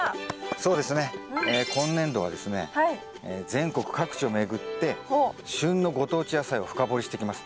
そうですね。今年度はですね全国各地を巡って旬のご当地野菜を深掘りしていきます。